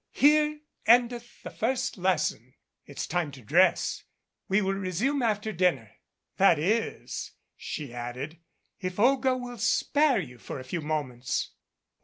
"Here endeth the first lesson. It is time to dress. We will resume after dinner. That is," she added, "if Olga will spare you for a few moments."